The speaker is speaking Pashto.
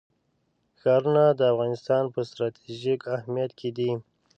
ښارونه د افغانستان په ستراتیژیک اهمیت کې دي.